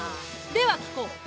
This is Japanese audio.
では聞こう。